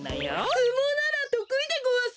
すもうならとくいでごわす。